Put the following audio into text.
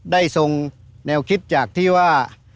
ทรงแนวคิดจากที่ว่า